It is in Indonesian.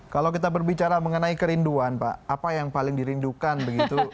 kalau kita berbicara mengenai kerinduan pak apa yang paling dirindukan begitu